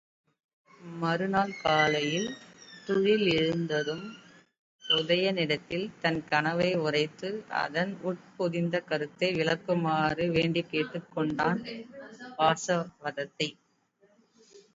மறுநாள் காலையில் துயிலெழுந்ததும் உதயணனிடத்தில் தன் கனவை உரைத்து அதன் உட்பொதிந்த கருத்தை விளக்குமாறு வேண்டிக் கொண்டாள் வாசவதத்தை.